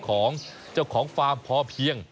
ของเจ้าของฟาร์มพอเพียง